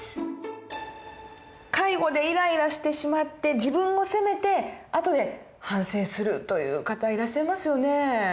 介護でイライラしてしまって自分を責めて後で反省するという方いらっしゃいますよね。